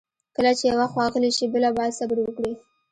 کله چې یوه خوا غلې شي، بله باید صبر وکړي.